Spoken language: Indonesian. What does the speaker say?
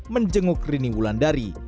menjenguk rini wulandari